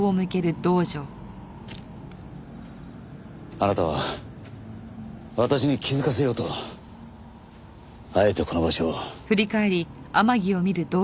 あなたは私に気づかせようとあえてこの場所を。